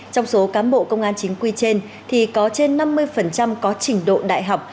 trong số cán bộ công an chính quy trên thì có trên năm mươi có trình độ đại học